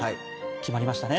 決まりましたね？